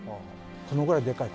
このぐらいでかい。